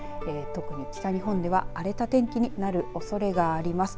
特に北日本では荒れた天気になるおそれがあります。